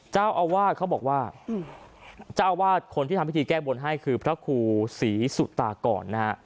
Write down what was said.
เจ้าอาวาสเขาบอกว่าเจ้าอาวาสคนที่ทำพิธีแก้บนให้คือพระครูศรีสุตากรนะฮะ